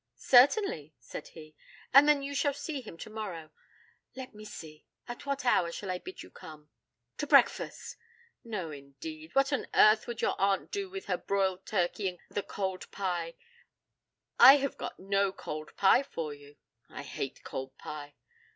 'Certainly,' said he. 'And then you shall see him tomorrow. Let me see at what hour shall I bid you come?' 'To breakfast.' 'No, indeed. What on earth would your aunt do with her broiled turkey and the cold pie? I have got no cold pie for you.' 'I hate cold pie.'